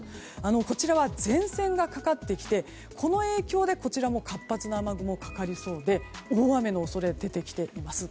こちらは、前線がかかってきてこの影響でこちらも活発な雨雲がかかりそうで大雨の恐れが出てきています。